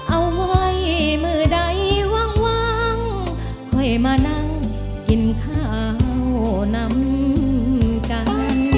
เอาไว้มือใดวางค่อยมานั่งกินข้าวนำกัน